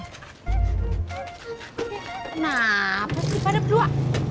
eh kenapa sih pada kedua